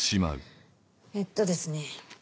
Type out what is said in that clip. えっとですね。